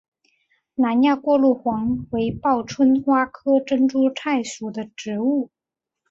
南亚过路黄为报春花科珍珠菜属的植物。